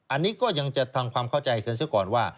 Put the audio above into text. อันนี้ก็ยังจะทำความเข้าใจกันซะก่อนว่า